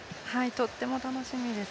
とっても楽しみです。